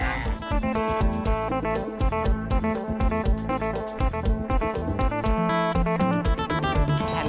ขอบคุณแข็ง